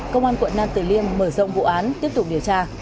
công an quận nam tử liêm mở rộng vụ án tiếp tục điều tra